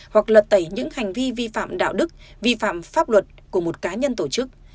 hoặc lật tẩy những hành vi vi phạm đạo đức vi phạm pháp luật của một cá nhân tổ chức